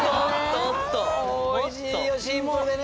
美味しいよシンプルでね。